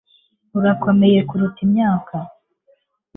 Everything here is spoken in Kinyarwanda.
Urakomeye kuruta imyaka